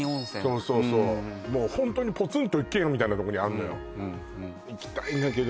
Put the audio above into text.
そうそうもうホントにポツンと一軒家みたいなとこにあんのよ行きたいんだけど